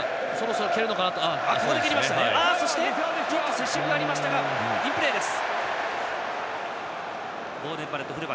接触がありましたがインプレーです。